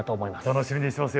楽しみにしてます。